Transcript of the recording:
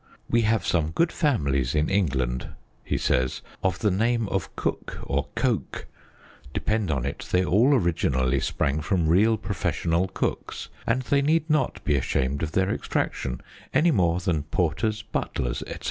" We have some good families in England," he says, " of the name of Cook or Coke. ... Depend upon it, they all originally sprang from real professional cooks, and they need not be ashamed of their extraction any more than Porters, Butlers, &c."